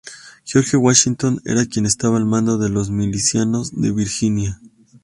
George Washington era quien estaba al mando de los milicianos de Virginia.